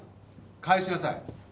返しなさい。